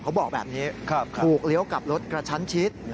เขาบอกแบบนี้ถูกเลี้ยวกลับรถกระชั้นชิด